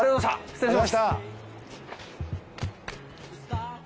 失礼しました！